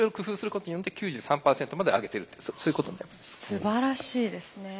すばらしいですね。